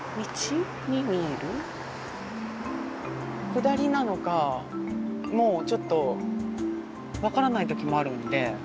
下りなのかもうちょっと分からない時もあるんで。